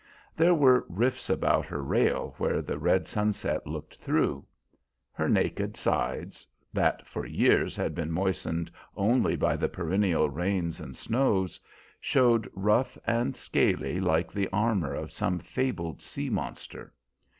There were rifts about her rail where the red sunset looked through. Her naked sides, that for years had been moistened only by the perennial rains and snows, showed rough and scaly like the armor of some fabled sea monster.